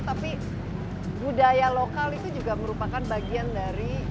tapi budaya lokal itu juga merupakan bagian dari